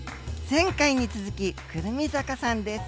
前回に続き胡桃坂さんです。